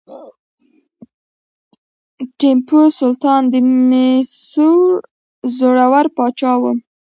ټیپو سلطان د میسور زړور پاچا و.